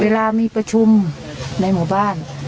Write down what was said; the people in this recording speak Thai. เวลามีประชุมในหมู่บ้าน